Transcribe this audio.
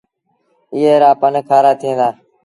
ايئي رآ پن کآرآ ٿئيٚݩ دآ۔